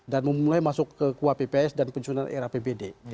dan memulai masuk ke kuapps dan penyelenggaraan era pbd